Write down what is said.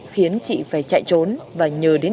khiến chị phải chạy trốn và nhờ đến